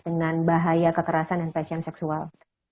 dengan bahaya kekerasan dan pelecehan seksual